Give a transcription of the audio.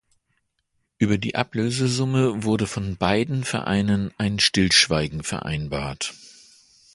Über die Ablösesumme wurde von beiden Vereinen ein Stillschweigen vereinbart.